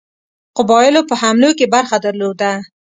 قبایلو په حملو کې برخه درلوده.